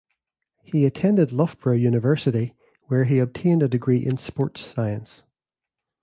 He attended Loughborough University, where he obtained a degree in Sports Science.